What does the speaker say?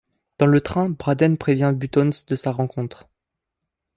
Dans le train, Braden prévient Buttons de sa rencontre.